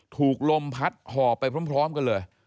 ถูกลมพัดห่อไปพร้อมกันเลย